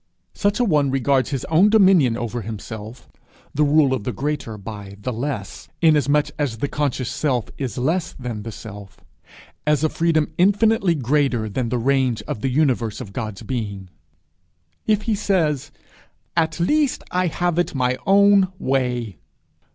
Such a one regards his own dominion over himself the rule of the greater by the less, inasmuch as the conscious self is less than the self as a freedom infinitely greater than the range of the universe of God's being. If he says, 'At least I have it my own way!'